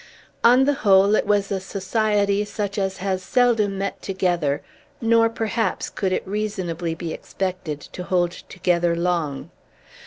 On the whole, it was a society such as has seldom met together; nor, perhaps, could it reasonably be expected to hold together long.